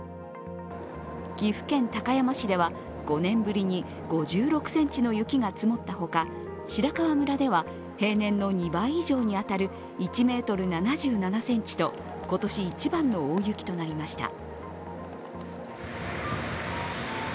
岐阜県高山市では５年ぶりに５６ｃｍの雪が積もったほか、白川村では平年の２倍以上に当たる１ｍ７７ｃｍと今年一番の大雪となりました。